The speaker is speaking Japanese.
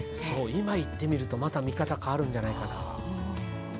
今行ってみると、また見方変わってくるんじゃないかな。